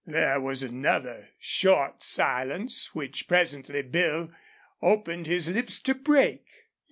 There was another short silence, which presently Bill opened his lips to break.